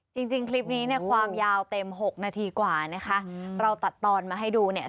จริงคลิปนี้เนี่ยความยาวเต็มหกนาทีกว่านะคะเราตัดตอนมาให้ดูเนี่ย